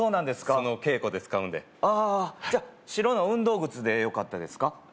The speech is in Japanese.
その稽古で使うんでああじゃあ白の運動靴でよかったですか？